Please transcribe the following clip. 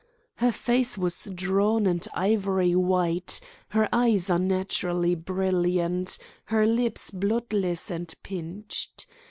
Her face was drawn and ivory white, her eyes unnaturally brilliant, her lips bloodless and pinched.